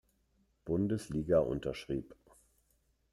Bundesliga unterschrieb.